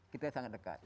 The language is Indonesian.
kita sangat dekat